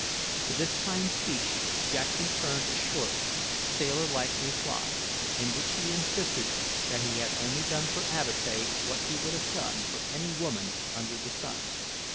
To this kind speech Jack returned a short, sailor like reply, in which he insisted that he had only done for Avatea what he would have done for any woman under the sun.